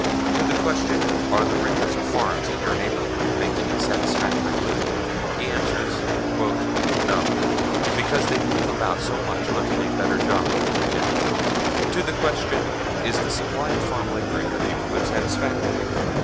To the question, "Are the renters of farms in your neighborhood making a satisfactory living?" he answers: "No; because they move about so much hunting a better job." To the question, "Is the supply of farm labor in your neighborhood satisfactory?"